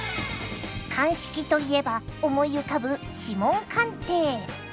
鑑識といえば思い浮かぶ指紋鑑定。